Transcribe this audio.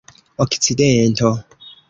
okcidento